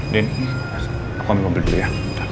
din aku ambil mobil dulu ya